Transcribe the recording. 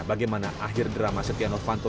bagaimana akhir drama setia novanto